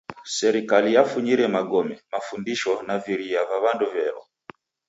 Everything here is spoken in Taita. Serikali yafunyire magome, mafundisho naviria va w'andu w'elwa.